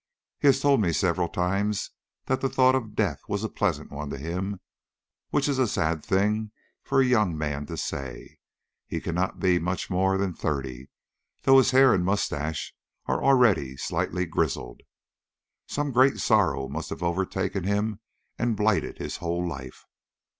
He has told me several times that the thought of death was a pleasant one to him, which is a sad thing for a young man to say; he cannot be much more than thirty, though his hair and moustache are already slightly grizzled. Some great sorrow must have overtaken him and blighted his whole life.